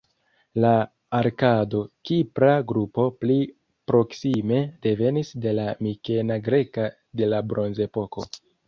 La arkado-kipra grupo pli proksime devenis de la mikena greka de la Bronzepoko.